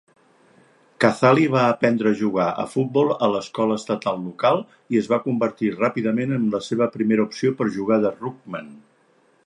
Cazaly va aprendre a jugar a futbol a l'escola estatal local i es va convertir ràpidament en la seva primera opció per jugar de "ruckman".